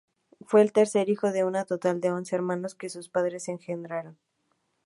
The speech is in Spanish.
Fue el tercer hijo de un total de once hermanos que sus padres engendraron.